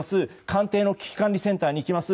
官邸の危機管理センターに行きます